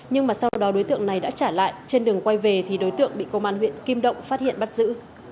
nhưng mà sau đó đối tượng này đã trả lại trên đường quay về thì đối tượng bị công an huyện kim động phát hiện bắt giữ